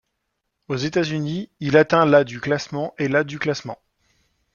Aux États-Unis il atteint la du classement ' et la du classement '.